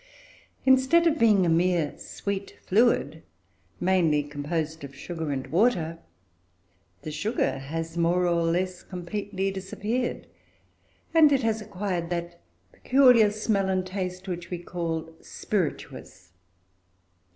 Instead of being a mere sweet fluid, mainly composed of sugar and water, the sugar has more or less completely disappeared; and it has acquired that peculiar smell and taste which we call "spirituous."